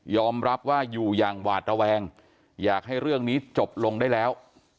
รับว่าอยู่อย่างหวาดระแวงอยากให้เรื่องนี้จบลงได้แล้ว